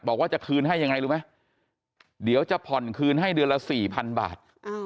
บอกว่าจะคืนให้ยังไงรู้ไหมเดี๋ยวจะผ่อนคืนให้เดือนละ๔๐๐๐บาท